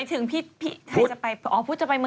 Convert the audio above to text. พุธจะไปเมืองจีน